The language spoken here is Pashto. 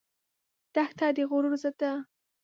دښته د غرور ضد ده.